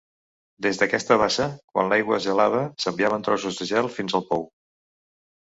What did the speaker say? Des d'aquesta bassa, quan l'aigua es gelava, s'enviaven trossos de gel fins al pou.